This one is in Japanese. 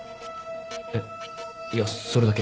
えっいやそれだけ。